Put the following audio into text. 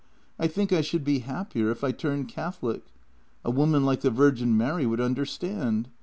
I think I should be happier if I turned Catholic. A woman like the Virgin Mary Avould understand.